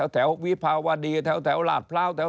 แถววิพาวัดีแถวหลาดพราว